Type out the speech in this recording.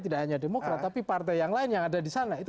tidak hanya demokrat tapi partai yang lain yang ada di sana